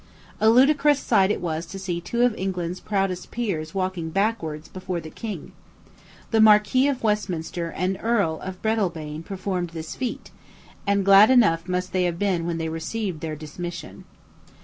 A ludicrous sight it was to see two of England's proudest peers walking backward before the queen. The Marquis of Westminster and Earl of Breadalbane performed this feat, and glad enough must they have been when they received their dismission.